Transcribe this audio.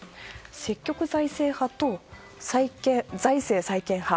積極財政派と財政再建派。